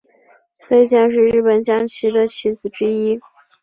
飞将是日本将棋的棋子之一。